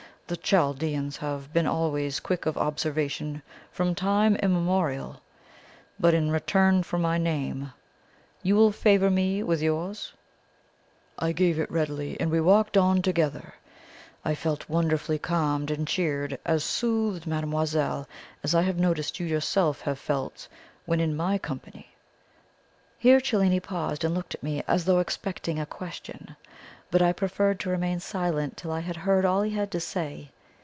The Chaldeans have been always quick of observation from time immemorial. But in return for my name, you will favour me with yours?' "I gave it readily, and we walked on together. I felt wonderfully calmed and cheered as soothed, mademoiselle, as I have noticed you yourself have felt when in MY company." Here Cellini paused, and looked at me as though expecting a question; but I preferred to remain silent till I had heard all he had to say.